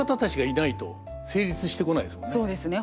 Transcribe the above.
そうですね